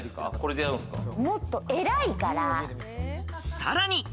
さらに。